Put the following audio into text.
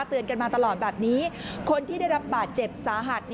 เตือนกันมาตลอดแบบนี้คนที่ได้รับบาดเจ็บสาหัส